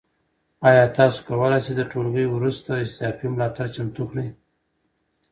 ایا تاسو کولی شئ د ټولګي وروسته اضافي ملاتړ چمتو کړئ؟